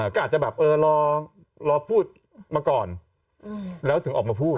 ก็อาจจะแบบเออรอพูดมาก่อนแล้วถึงออกมาพูด